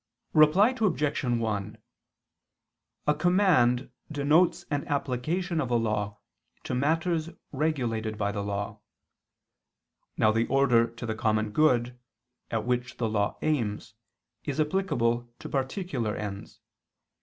Reply Obj. 1: A command denotes an application of a law to matters regulated by the law. Now the order to the common good, at which the law aims, is applicable to particular ends.